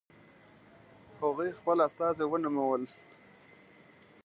هغوی خپل استازي ونومول.